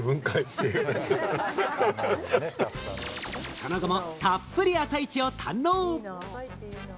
その後もたっぷり朝市を堪能。